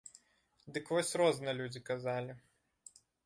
Дык вось розна людзі казалі.